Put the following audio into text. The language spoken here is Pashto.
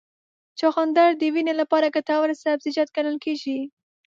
چغندر د وینې لپاره ګټور سبزیجات ګڼل کېږي.